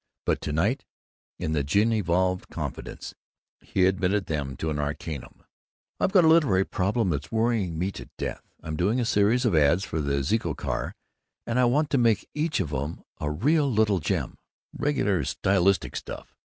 But to night, in the gin evolved confidence, he admitted them to the arcanum: "I've got a literary problem that's worrying me to death. I'm doing a series of ads for the Zeeco Car and I want to make each of 'em a real little gem reg'lar stylistic stuff.